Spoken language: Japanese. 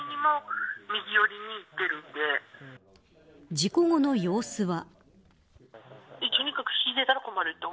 事故後の様子は。